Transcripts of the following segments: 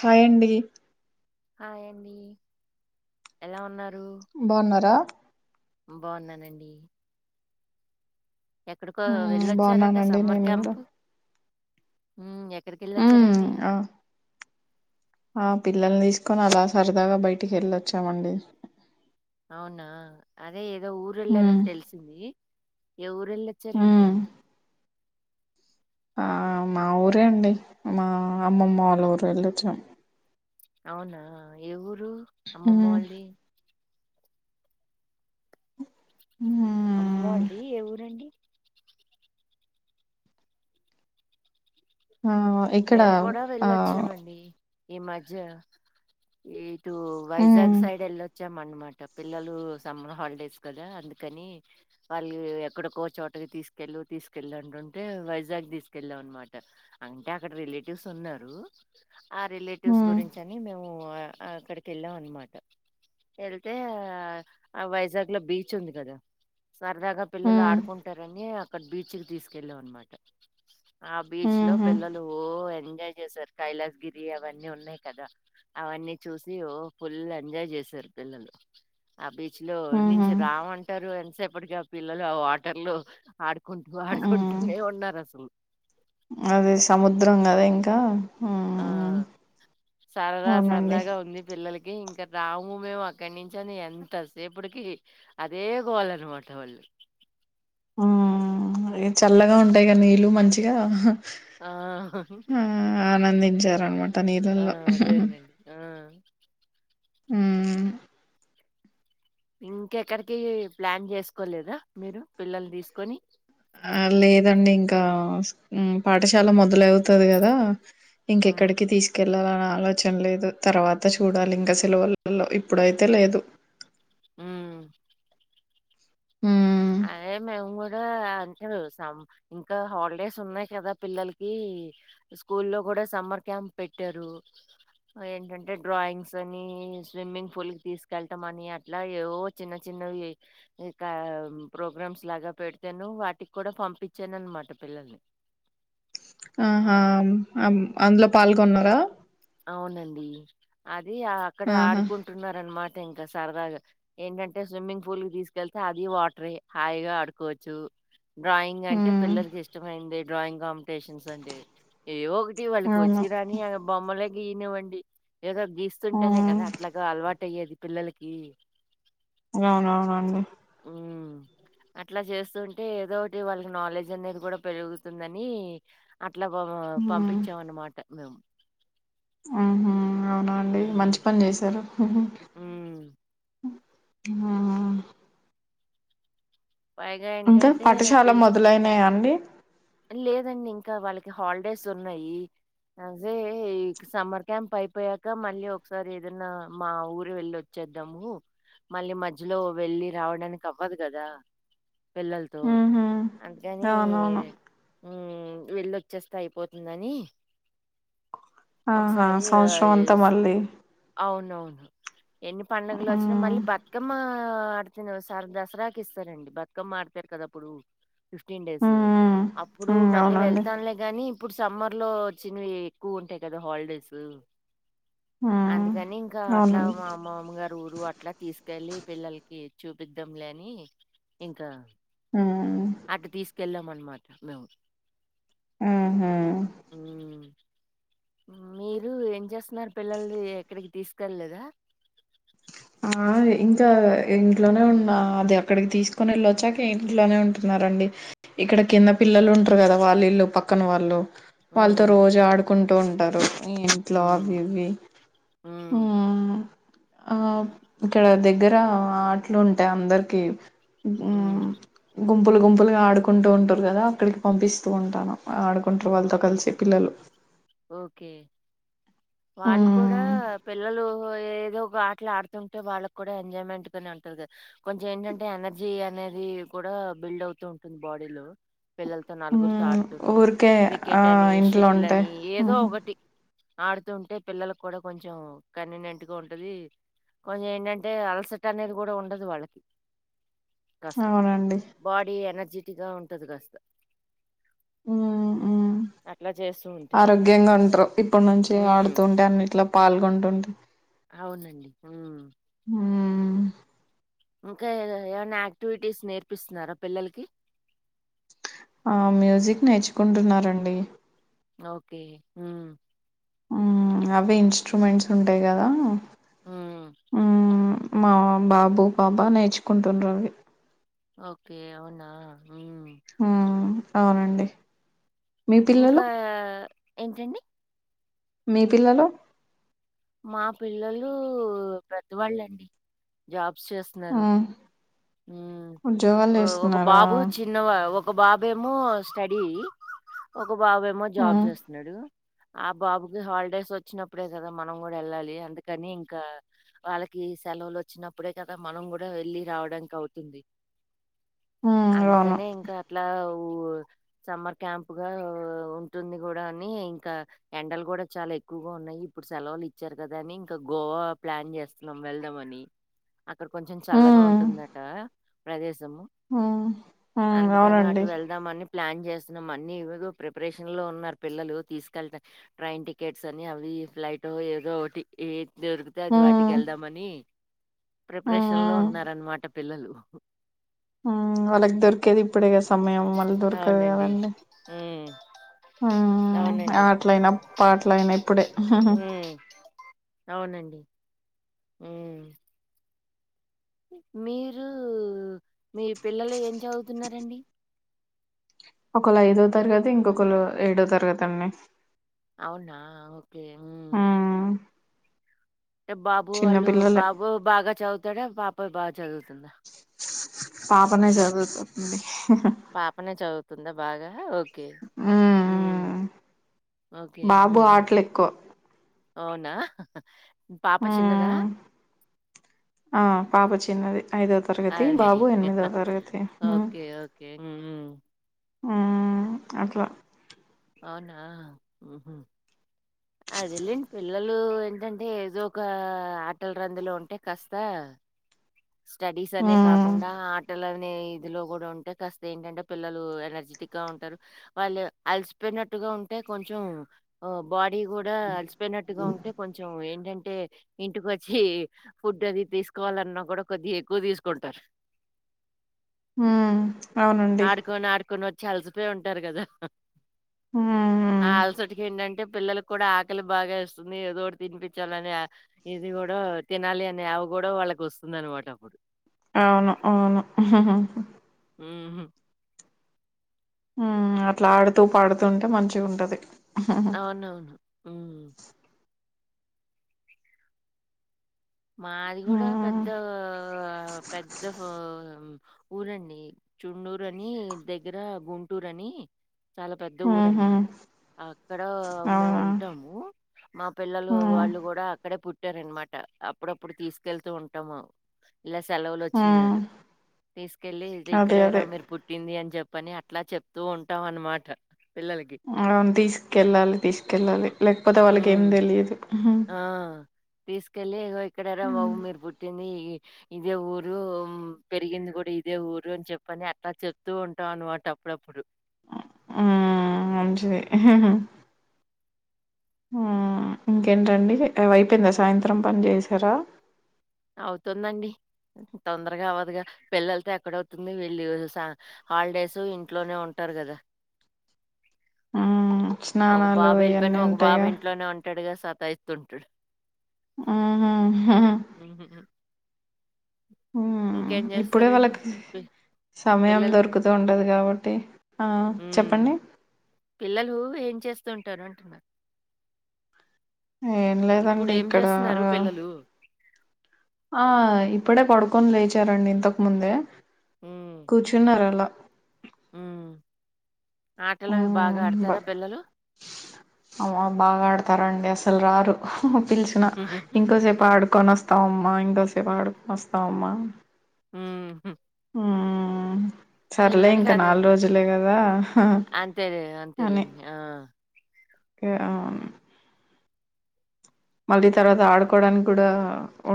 Hi అండి hi అండి ఎలా ఉన్నారు బాగున్నారా బాగున్నానండి ఎక్కడికో మ్మ్, వెళ్ళొచ్చారట బాగున్నానండి సమ్మర్ నేను కూడా క్యాంప్ ఉమ్ ఎక్కడికెళ్ళోచ్చారండి ఆ ఆ పిల్లల్ని తీసుకొని అలా సరదాగా బయటికి వెళ్ళొచ్చామండి అవునా అదే ఏ ఏదో ఊరు ఉమ్ వెళ్లారని తెలిసింది ఏ ఉమ్ ఊరుఎళ్ళొచ్చారెంటండి ఆ మా ఊరే అండి మా అమ్మమ్మ వాళ్ళ ఊరు వెళ్ళొచ్చాం అవునా ఏ ఊరు అమ్మమ్మ ఉమ్ వాళ్ళది వున్న అమ్మోళ్ ది ఏ ఊరండి ఆ ఇక్కడ మేము కూడా ఆ వెళ్ళొచ్చామండి ఈ మజ్య ఇటూ ఉమ్ వైజాగ్ సైడ్ ఎల్లొచ్చమ మాట పిల్లలు సమ్మర్ హాలిడేస్ కదా అందుకని వాళ్ళు ఎక్కడకో చోటకి తీసుకు కెళ్ళు తీసుకెళ్ళు అంటుంటే వైజాగ్ తీసుకెళ్ళాం అనమాట అంట్ అంటే అక్కడ రిలేటివ్స్ ఉన్నారు ఆ రిలేటివ్స్ ఉమ్ గురించి అని మేము పోయా ఆ అక్కడికెళ్ళాం అనమాట ఎళ్తే ఆ ఆ వైజాగ్ లో బీచ్ ఉంది కదా సరదాగా పిల్లలు ఉమ్ ఆడుకుంటారని అక్కడ బీచ్ కి తీసుకెళ్ళాం అనమాట ఆ బీచ్ లో ఉహు పిల్లలు ఓ ఎన్ ఎంజాయ్ చేసారు కైలాస్ గిరి అవన్నీ ఉన్నాయి కదా అవన్నీ చూసి ఓ ఫుల్ ఎంజాయ్ చేశారు ఇద్దరు పిల్లలు ఆ బీచ్ చ్ లో ఉహు నుంచి రామంటారు ఎంతసేపటికి ఆ పిల్లలు ఆ వాటర్ లో ఆడుకుంటూ ఆడుకు ఉమ్ కుంటూనే ఉన్నారు అసలు అది సముద్రం కదా ఇంకా ఆ ఉమ్ సరదా అవునండి సరదాగా ఉంది పిల్లలకి ఇంక రాము మేము అక్కడి నుంచి అని ఎంతసేపటికి అదే గోళ అనమాట వాళ్ళు ఉం ఉమ్ అయ్యో చల్లగా ఉంటాయి గా నీళ్ళు మంచిగా ఆ ఆ ఆనందించారనమాట ఆ నీళ్ళల్లో అదేనండి ఆ ఉమ్మ్ ఇంకెక్కడికి ప్లాన్ చేసుకోలేదా మీరు పిల్లని తీసుకొని ఆ లేదండి ఇంకా ఉం పాఠశాల మొదలవుతది కదా హ్మ్ ఇంకెక్కడికి తీసుకెళ్ళాల ఆలోచన లేదు తర్వాత చూడాలింక సెలవులలో ఇప్పుడైతే లేదు ఉమ్మ్ ఉమ్మ్ అయ్యో మేము కూడా అంతే చూశాం ఇంకా హాలిడేస్ ఉన్నాయి కదా పిల్లలకి స్కూల్లో కూడా సమ్మర్ క్యాంప్ పెట్టారు ఆ ఏంటంటే డ్రాయింగ్స్ అని స్విమ్మింగ్ పూల్ కి తీసుకెల్లటం అని అట్లా ఏవేవో చిన్న చిన్న నవ్యయ్ ఇంకా ప్రోగ్రామ్స్ లాగా పెడితేాను వాటికి కూడా పంపించాను అనమాట పిల్లల్ని ఆహా ఆ! అం అందులో పాల్గొన్నారా అవునండి అది అక్కడ ఆహా ఆడుకుంటున్నరణమట తే ఇంకా సరగా ఏంటంటే స్విమ్మింగ్ పూల్ కి తీసుకెళ్తే అది వాటర్ హాయిగా ఆడుకోవచ్చు డ్రాయింగ్ అంటే హ్మ్ పిల్లలకి ఇష్టమైంది డ్రాయింగ్ కాంపిటీషన్స్ అంటేవి ఏవో వాళ్ళకి అవును వచ్చిరాని బొమ్మలే గీనివ్వండి ఏదో గీస్తుంటేనే హ్మ్ కదా అట్లాగ అలవాటు టై య్యది పిల్లలకి అవునవునండి హ్మ్. అట్లా చేస్తుంటే ఏదోటి వాళ్ళకి నాలెడ్జ్ అనేది కూడా పెరుగుతుందని అట్ అట్లా పంపించాం అన్నమాట మేము ఉహు అవునా అండి మంచి హ్మ్. పని చేశారు హ్మ్. ఆ పైగా ఇంకా ఏంటంటే పాఠశాల పెళ్ మొదలైనాయా అండి లేదండి ఇంకా వాళ్ళకి హాలిడేస్ ఉన్నయి అదే ఈ సమ్మర్ క్యాంప్ అయిపోయాక మళ్ళీ ఒకసారి ఏదైనా మా ఊరు వెళ్ళి వచ్చ చేద్దాము మళ్ళీ మధ్యలో వెళ్ళ రావడానికి అవ్వదు కదా పిల్లలతో ఉహు అందుకని అవునవును ఉమ్ వెళ్ళొచ్చేస్తే అయిపోతుందని ఆహా సంవత్సరం అంతా ఒకసారి మళ్ళీ అవునవును. ఎన్ని పండుగలు ఓచ్చినా హ్మ్ మళ్ళీ బతుకమ్మ ఆడుతున్నాసర్ దసరాకి ఇస్తారంండి బతుకమ్మ ఆడతారు కదా అప్పుడు ఫిఫ్టీన్ డేస్ హ్మ్ అప్పుడు హ్మ్ మళ్ళీ అవునండి వెళ్తామ్లే గాని ఇప్పుడు సమ్మర్ లో వచ్చినవి ఎక్కువ ఉంటాయి కదా హాలిడేసు హ్మ్ అందు కని ఇంకా అట్లా అవునండి మా అమ్మ అమ్మ గారు ఊరు అట్లా తీస్ వెళ్ళి పిల్లలకి చూపిద్దాం లేని ఇంకా ఆ అటు తీసుకెళ్ళాము అన్నమాట మేము ఉహు మీరు ఏం చేస్తున్నారు పిల్లల్న్ని ఎక్కడికి తీసుకెళ్లేదా ఆ ఇంకా ఇంట్లోనే ఉన్నా అది అక్కడికి తీసుకొని వెళ్ళొచ్చాక ఇంట్లోనే ఉంటున్నారు అండి ఇక్కడ కింద పిల్లలు వుంట్రూ కదా వాళ్ళు ఇల్ళు పక్కన వాళ్ళు వాళ్ళతో హ్మ్. రోజు ఆడుకుంటూ ఉంటారు ఇంట్లో హ్మ్. అవి ఇవి ఆ హ్మ్. ఆ ఇక్కడ దగ్గర ఆటలు ఉంటాయి అందరికి ఉమ్ ఉప్పులు గుంపులుగా ఆడుకుంటూ ఉంటారు కదా అక్కడికి పంపిస్తూ ఉంటను ఆడుకుంటరు వాళ్ళతో ఓకే. కలిసి పిల్లలు ఓకే. వాళ్ళు కూడా హ్మ్ పిల్లలు ఏదో ఒక ఆటలు ఆడుతుంటే వాళ్ళ కూడా ఎంజాయ్మెంట్ గానే ఉంటది కదా కొంచెం ఏంటంటే ఎనర్జీ అ అనేది కూడా బిల్డ్ అవుతూ ఉంటుంది బాడీలో పిల్లలతో నలుగురితో హ్మ్ ఆడుతుంటే ఊరికే ఆ క్రికెట్ అని ఇంట్లో షటిల్ ఉంటే అని ఏదో హ్మ్ ఒకటి ఆడుతూ ఉంటే పిల్లలకు కూడా కొంచెం కన్వీమెంట్ గా ఉంటది కొంచెం ఏంటంటే అలసట అనేది కూడా ఉండదు వాళ్ళకి కాస్త అవునండి బాడీ ఎనర్జెటిక్ గా ఉంటది కాస్త ఉమ్ అట్లా చేస్తూ ఉంటే. ఆరోగ్యంగా ఉంటారు ఇప్పటి నుంచి హ్మ్. ఆడుతూ ఉంటే అన్నిట్లో పాల్గొంటుంట్ అవునండి ఆ ఉమ్ ఇంకా ఏమన్నా ఆక్టివిటీస్ నేర్పిస్తున్నారా పిల్లలకి ఆ మ్యూజిక్ నేర్చుకుంటున్నారండి ఓకే ఉమ్ అవే ఇన్స్ట్రుమెంట్స్ ఉంటాయి కదా హ్మ్. ఉమ్ మా బాబు పాపా నేర్చుకుంటున్నారవి ఓకే అవునా! హ్మ్. హ్మ్ అవునండి. మీ పిల్లలు? ఇంకా ఏంటండీ? మీ పిల్లలు మా పిల్లలు పెద్దవెళ్ళండి. జాబ్ చేస్తున్నారు. హ్మ్. హ్మ్ ఉద్యోగాలు ఓ ఒక చేస్తున్నారా? బాబు చిన్నవా ఓక్ ఒక బాబేమో స్టడీ. ఒక బాబేమో జాబ్ హ్మ్. చేస్తున్నాడు. ఆ బాబుకి హాలిడేస్ వచ్చినప్పుడే కదా! మనం కూడా వెళ్ళాలి. అందుకని ఇంకా వాళ్ళకి సెలవులు వచ్చినప్పుడే కదా మనం కూడా వెళ్లి రావడానికి అవుతుంది. హ్మ్. అవును. అందుకనే ఇంకా అట్లా ఊ [inaudible] సమ్మర్ క్యాంప్ గా ఉంటుంది కూడా అని ఇంకా ఎండలు కూడా చాలా ఎక్కువగా ఉన్నాయి. ఇప్పుడు సెలవులు ఇచ్చారు కదా అని ఇంకా గోవా ప్లాన్ చేస్తున్నాం. వెళ్దాం అని అక్కడ కొంచెం చల్లగా హ్మ్. ఉంటుందట ప్రదేశ దం హ్మ్. హ్మ్. అందుకని అటు అవునండి. వెళ్దామని ప్లాన్ చేస అన్ని ఏవేవో ప్రిపరేషన్ లో ఉన్నారు. పిల్లలు తీసుకెళ్తే ట్రైన్ టికెట్స్ అని అవి ఇవ్ ఫ్లైట్ ఏదో ఒకటి ఏద్ దొరికితే అది వాటికి హ్మ్. వెళ్దామని హ్మ్. ప్రిపరేషన్ లో హ్మ్. ఉన్నారన్నమాట పిల్లలు వాళ్ళకి దొరికేది ఇప్పుడే కదా సమయం మళ్ళీ దొరకదు అవునండి కదండి. ఉమ్ హు అవునండి ఆటలైన, పాటలైన ఇప్పుడే ఉమ్ అవునండి. హ్మ్ మీరు మీ పిల్లలు ఏం చదువుతున్నరండి? ఒకలు ఐదో తరగతి, ఇంకొకరు ఏడో తరగతి అండి. అవునా! ఓకే. హ్మ్ అంటే బాబు చిన్న వాళ్ళు పిల్లలే. బాబు బాగా చదువుతాడా? పాప బాగా చదువుతుందా? పాపనే చదువుతుంది. పాపనే చదువుతుందా! బాగా ఒ ఇయ్ ఉమ్ మ్మ్ ఓకే బాబు ఊహం. ఆటలు ఎక్కువ అవునా! పాప చిన్నదా? మ్మ్ ఆ పాప చిన్నది ఐదో తరగతి, అదే. బాబు ఎనిమిదో తరగతి. ఉహుం హ్మ్ అట్లా అవునా! ఉహుం. అదేలేండి. పిల్లలు ఏంటంటే ఏదో ఒక ఆటల రందులో ఉంటే కాస్తా. అ స్టడీస్ అనే మ్మ్ కాకుండా ఆటల అవి నే ఇదిలో కూడా ఉంటే కాస్త ఏంటంటే పిల్లలు ఎనర్జెటిక్ గా ఉంటారు. వాళ్ళు అలసిపోయినట్టు గా ఉంటే కొంచెం బాడీ కూడా అలిసిపోయినట్టుగా ఉంటే కొంచెం ఏంటంటే ఇంటికోచ్చి ఫుడ్ అది తీసుకోవాలన్నా కూడా కొద్దిగా ఎక్కువ తీసుకుంటారు. హ్మ్ అవునండి. అలిసిపోయి ఉంటారు. కదా ఆ మ్మ్ అలసటికి ఏంటంటే పిల్లలకు కూడా ఆకలి బాగా వేస్తుంది ఏదోటి తినిపించాలని ఆ ఇది కూడా తినాలి అని ఆగ్ కూడా వాళ్ళకి వస్తుంది అనమాట అప్పుడు అవును అవును ఆహా హా ఉహు ఉ అట్లా ఆడుతూ పాడుతూంటే మంచిగుంటది అవునవును ఉ మాది కూడా మ్మ్ పెద్ద పెద్ద ఊరండి చుండూరని దగ్గర గుంటూరు అని చాలా పెద్ద ఊర ఊహూ అన్నమాట అక్కడ మేము అవునా ఉంటాము మా పిల్లలు మ్మ్ వాళ్ళు కూడా అక్కడే పుట్ చట్టారనమాట అప్పుడప్పుడు తీసుకెళ్తూ ఉంటాము. ఇలా సెలవులు మ్మ్ వచ్చినన్నాడు తీసుకెళ్ళి అదే ఇక్కడేరా అదే మీరు పుట్టింది అని చెప్ పని అట్లా చెప్తూ ఉంటాం అన్నమాట పిల్లలకి అ తీసుకెళ్ళాలి తీసుకెళ్ళాలి లేకపోతే వాళ్ళకి ఉమ్. ఏం తెలిదు. ఆ తీసుకెళ్ళి ఇక్కడార మ్మ్ బాబు మీరు పుట్టింది ఇదే ఊరు పెరిగింది కూడా ఇదే ఊరు చెప్పని అట్లా చెప్తూ ఉంటాం అనమాట. అప్పుడప్పుడు ఆ మంచిది హాహా ఉ ఇంకేంటండి అవైపోయిందా సాయంత్రం పని చేసారా. అవుతుందండి తొందరగా అవ్వదుగా పిల్లలతో ఎక్కడవుతుంది వీళ్ళు సా హాలిడేసు ఇంట్లోనే ఉంటా టారు కదా [inaudible] హ్మ్. ఒక స్నానాలు బాబు వెళ్ళిపోయిన ఇయన్నీ ఒక బాబు ఉంటాయిగా. ఇంట్లోనే ఉంటాడుగా. సాతా ఇస్తుంటాడు ఉహు హా ఉ హు హూ హ్మ్. ఇంకేం ఇప్పుడే చేస్తారండి వాళ్ళకి మి సమయం దొరుకుతూ ఉండదు కాబట్టి ఆ హ్మ్. చెప్పండి. పిల్లలు ఏం చేస్తూ ఉంటారు అంటున్నా ఏం ఇప్పుడు లేదండి ఏం ఇక్కడ జేస్తున్నారు పిల్లలు? ఆ ఇప్పుడే పడుకొని లేచారండి ఇంతకు ముందే కూర్చున్నారు అలా. ఉ ఉ బ అ బాగా ఆడతారండి అస్ అసలు రారు పిలిచిన ఇంకోసేపు ఆడుకొని వస్తామ్ మ మా ఇంకొసేపు ఆడుకొని వస్తామమ్మా ఉ హు మ్మ్ సర్లే పిల్లలకి ఇంకా అదే. నాలుగు రోజులే కదా హా అంతే అంతేలె ఆ ఈ యమ్ మళ్ళీ తర్వాత ఆడుకోవడానికి కూడా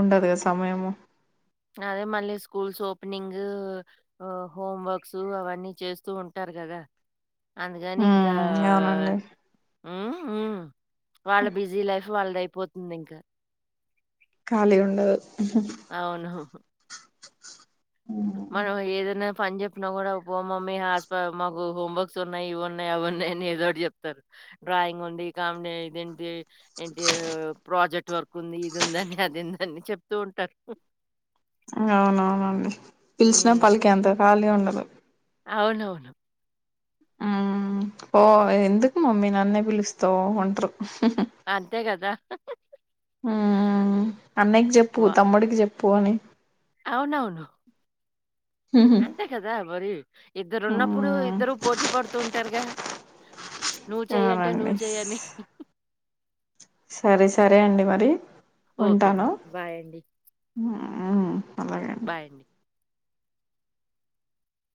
ఉండదు కదా సమయము. అదే మళ్ళీ స్కూల్స్ ఓపెనింగు హోమ్ వర్క్సు అవన్నీ చేస్తూ ఉంటారు. కదా అందుకని ఇంకా మ్మ్ అవునండి ఉ ఉ వాళ్ళ బిజీ లైఫు వాళ్ళది అయిపోతుంది ఇంకా కాలి ఉండదు అవును మనం ఏదున్న పని చెప్పినా కూడా ఓ మమ్మి హాస్ పర్ మాకు హోంవర్క్స్ ఉన్నాయి ఇవిన్నాయి అవున్నాయి. అయన్ని ఏదోటి చెప్తరు డ్రాయింగ్ ఉండి, కామ్డి ఇదేంటి ఏంటి ప్రాజెక్ట్ వర్క్ ఉంది ఇది ఉందని అదిందని చెప్తూ ఉంటారు. అవునవునండి పిలిచినా హ్మ్. పలికెంత ఖాళీ ఉండదు. అవునవును మ్మ్ పో మమ్మి ఎందుకు మమ్మీ నన్నే పిలుస్తావ్ అంట్ర్రు అంతే కదా హ్మ్ హు హు అన్నయకి చెప్పు తమ్ముడికి చెప్పు అని అవున నవును మ్మ్ అంతే కదా మరి ఇద్దరు ఉన్నప్పుడు ఇద్దరు పోటీ పడుతుంటారుగ నువ్ చెయ్యంటే అవునండి నువ్వు చెయని సరే సరే అండి మరి ఓకే ఉంటాను అండి బాయ్ యండి [unintelligible] అలాగే అండి